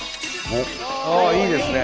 いいですね。